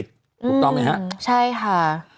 ถูกต้องไหมฮะใช่ค่ะ